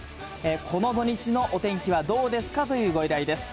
この土日のお天気はどうですかというご依頼です。